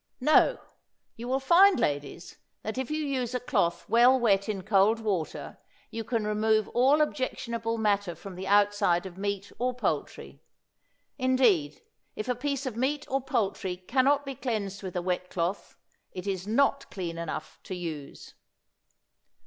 No, you will find, ladies, that if you use a cloth well wet in cold water you can remove all objectionable matter from the outside of meat or poultry. Indeed, if a piece of meat or poultry can not be cleaned with a wet cloth, it is not clean enough to use.